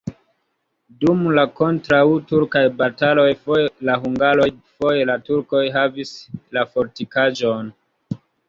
Dum la kontraŭturkaj bataloj foje la hungaroj, foje la turkoj havis la fortikaĵon.